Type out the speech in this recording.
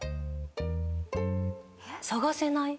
探せない？